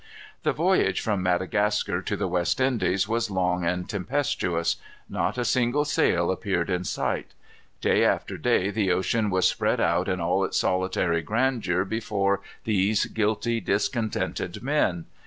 The voyage from Madagascar to the West Indies was long and tempestuous. Not a single sail appeared in sight. Day after day the ocean was spread out in all its solitary grandeur before these guilty, discontented men.